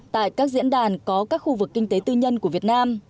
tại các diễn đàn có các khu vực kinh tế tư nhân của việt nam